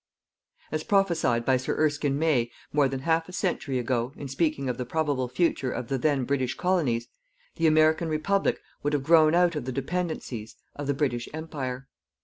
As prophesied by Sir Erskine May, more than half a century ago, in speaking of the probable future of the then British colonies, the American Republic would have grown out of the dependencies of the British Empire.